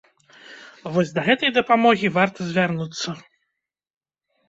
Вось да гэтай дапамогі варта звярнуцца.